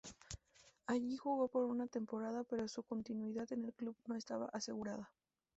Allí jugó por una temporada pero su continuidad en el club no estaba asegurada.